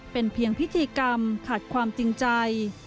เป็นเพียงพิธีกรรมขาดความจริงใจ